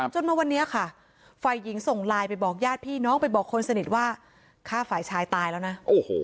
จนมาวันนี้ค่ะฝ่ายหญิงส่งไลน์ไปบอกญาติพี่น้องไปบอกคนสนิทว่าฆ่าฝ่ายชายตายแล้วนะ